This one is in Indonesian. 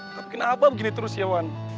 tetap kenapa begini terus ya wan